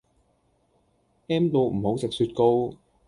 M 到唔好食雪糕